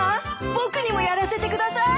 僕にもやらせてください。